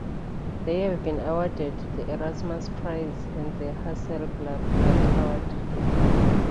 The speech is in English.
They have been awarded the Erasmus Prize and the Hasselblad Award.